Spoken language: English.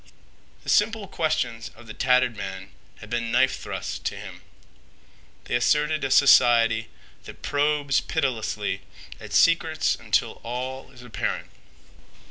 The simple questions of the tattered man had been knife thrusts to him. They asserted a society that probes pitilessly at secrets until all is apparent.